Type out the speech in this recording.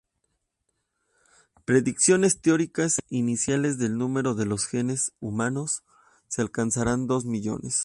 Predicciones teóricos iniciales del número de los genes humanos se alcanzaran dos millones.